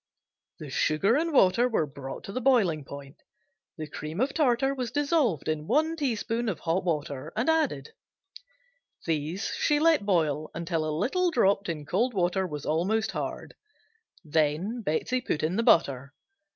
The sugar and water were brought to the boiling point, the cream of tartar was dissolved in one teaspoon of hot water and added; these she let boil until a little dropped in cold water was almost hard, then Betsey put in the butter.